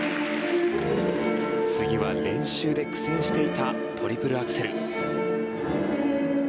次は練習で苦戦していたトリプルアクセル。